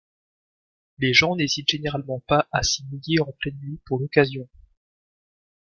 Les gens n'hésitent généralement pas à s'y mouiller en pleine nuit pour l'occasion.